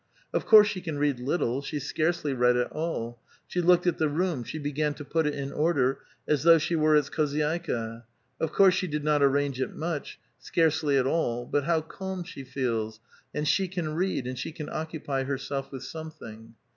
Of course she can read little ; she scarcely read at all ; she looked at the room ; she began to put it in order, as though she were its khzoydika. Of course she did not aiTange it much, scarcely at all : but how calm she feels, and she can read, and she can occu|)y herself with something.